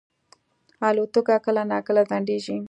الوتکه کله ناکله ځنډېږي.